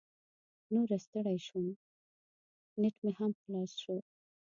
نوره ستړې شوم، نیټ مې هم خلاص شو.